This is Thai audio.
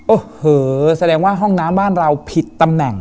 โอ้โหแสดงว่าห้องน้ำบ้านเราผิดตำแหน่ง